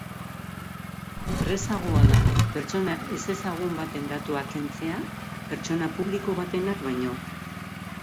Errazagoa da pertsona ezezagun baten datuak kentzea pertsona publiko batenak baino.